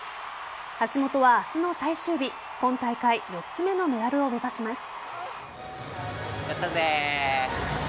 橋本は明日の最終日今大会４つ目のメダルを目指します。